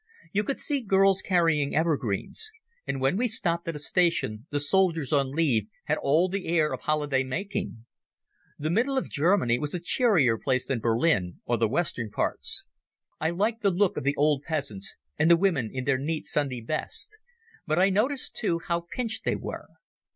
You could see girls carrying evergreens, and when we stopped at a station the soldiers on leave had all the air of holiday making. The middle of Germany was a cheerier place than Berlin or the western parts. I liked the look of the old peasants, and the women in their neat Sunday best, but I noticed, too, how pinched they were.